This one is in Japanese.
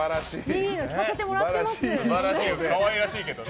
いいの着させてもらっています。